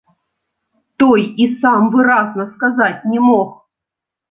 Той і сам выразна сказаць не мог.